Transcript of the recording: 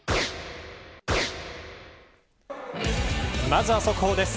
まずは速報です。